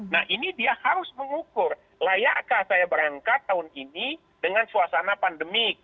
nah ini dia harus mengukur layakkah saya berangkat tahun ini dengan suasana pandemik